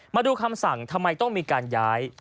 มาดูคำสั่งทำไมต้องมีการย้าย